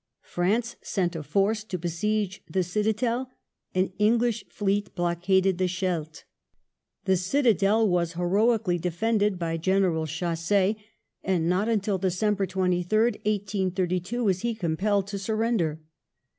France sent a force to besiege the citadel ; an English fleet blockaded the Scheldt. The citadel was heroi cally defended by General Chasse, and not until December 23rd, 1832, was he compelled to surrender.